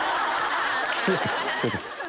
すいません。